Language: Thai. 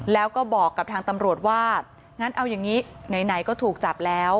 แล้วก็บอกกับทางตำรวจว่างั้นเอาอย่างนี้ไหนก็ถูกจับแล้ว